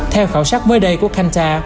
theo khảo sát mới đây của cantha